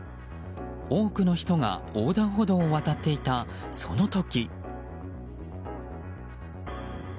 多くの人が横断歩道を渡っていたその時。